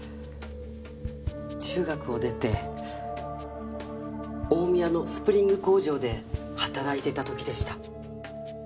中学を出て大宮のスプリング工場で働いていた時でした。